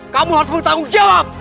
kamu harus bertanggung jawab